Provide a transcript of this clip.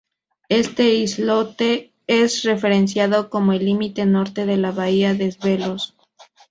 Este islote es referenciado como el límite norte de la bahía Desvelos.